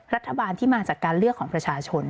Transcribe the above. รัฐบาลที่มาจากการเลือกของประชาชน